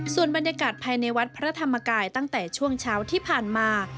ส่วนบรรยากาศภายในวัดพระธรรมกายตั้งแต่ช่วงเช้าที่ผ่านมา